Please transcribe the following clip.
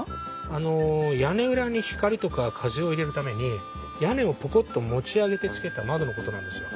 あの屋根裏に光とか風を入れるために屋根をポコッと持ち上げてつけた窓のことなんですよ。